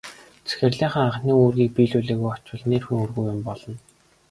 Захирлынхаа анхны үүрийг биелүүлэлгүй очвол нэр нүүргүй юм болно.